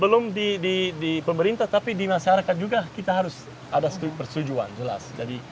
belum di pemerintah tapi di masyarakat juga kita harus ada persetujuan jelas